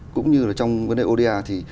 cũng như là trong vấn đề oda thì